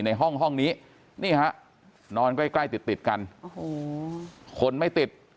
ในห้องนี้นี่ฮะนอนใกล้ติดกันโอ้โหคนไม่ติด